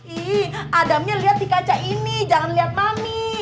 ih adamnya lihat di kaca ini jangan lihat mami